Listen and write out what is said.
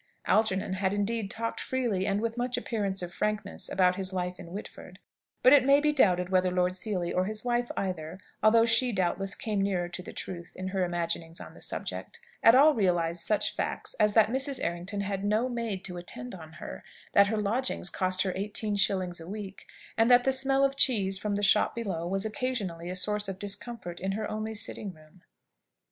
Algernon had indeed talked freely, and with much appearance of frankness, about his life in Whitford; but it may be doubted whether Lord Seely, or his wife either although she, doubtless, came nearer to the truth in her imaginings on the subject at all realised such facts as that Mrs. Errington had no maid to attend on her; that her lodgings cost her eighteen shillings a week; and that the smell of cheese from the shop below was occasionally a source of discomfort in her only sitting room.